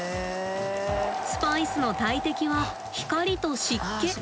スパイスの大敵は光と湿気。